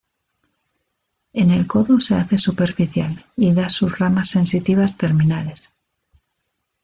En el codo se hace superficial y da sus ramas sensitivas terminales.